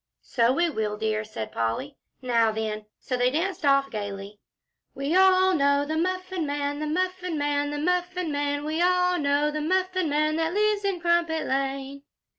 "So we will, dear," said Polly. "Now then!" So they danced off gayly. "We all know the Muffin Man the Muffin Man the Muffin Man. We all know the Muffin Man, that lives in Crumpet Lane."